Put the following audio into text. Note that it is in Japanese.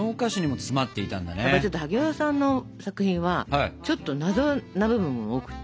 ちょっと萩尾さんの作品はちょっと謎な部分も多くて。